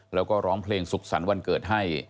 แล้วก็ร้องเพลงสุขสรรค์วันเกิดให้